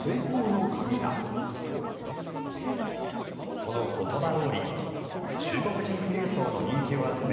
その言葉どおり中国人富裕層の人気を集め